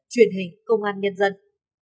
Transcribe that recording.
truyền hình công an nhân dân